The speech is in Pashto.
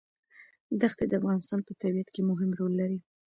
دښتې د افغانستان په طبیعت کې مهم رول لري.